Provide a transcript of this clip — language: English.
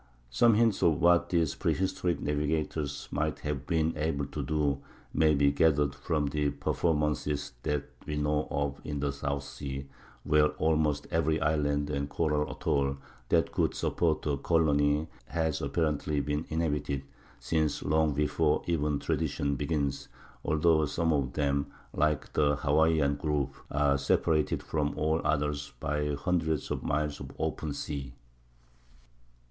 Some hint of what these prehistoric navigators might have been able to do may be gathered from the performances that we know of in the South Sea, where almost every island and coral atoll that could support a colony has apparently been inhabited, since long before even tradition begins, although some of them, like the Hawaiian group, are separated from all others by hundreds of miles of open sea.